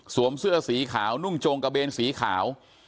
เสื้อสีขาวนุ่งโจงกระเบนสีขาว